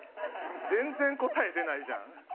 全然答え出ないじゃん